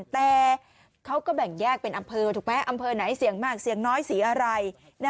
แต่เขาก็แบ่งแยกเป็นอำเภอถูกไหมอำเภอไหนเสี่ยงมากเสี่ยงน้อยสีอะไร